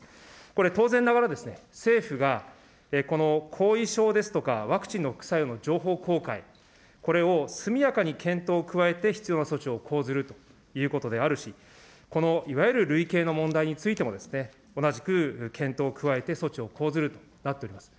これ、当然ながらですね、政府がこの後遺症ですとか、ワクチンの副作用の情報公開、これを速やかに検討を加えて必要な措置を講ずるということであるし、このいわゆる類型の問題についてもですね、同じく検討を加えて措置を講ずるとなっております。